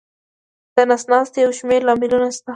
د نس ناستي یو شمېر لاملونه شته.